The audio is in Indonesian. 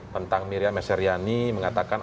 tentang miriam mesaryani mengatakan